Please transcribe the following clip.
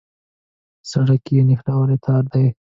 سړک یو نښلوی تار دی.